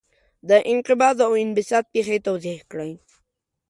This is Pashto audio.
د انقباض او انبساط پېښې توضیح کړئ.